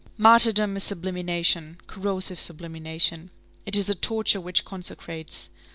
Martyrdom is sublimation, corrosive sublimation. It is a torture which consecrates.